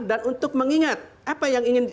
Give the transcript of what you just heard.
dan untuk mengingat apa yang ingin